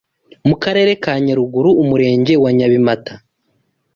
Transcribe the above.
mu Karere ka Nyaruguru Umurenge wa Nyabimata.